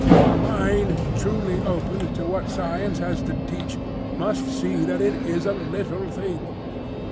A mind truly opened to what science has to teach must see that it is a little thing.